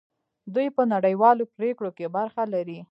دوی په نړیوالو پریکړو کې برخه لري.